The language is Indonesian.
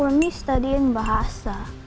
for me studying bahasa